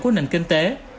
của nền kinh tế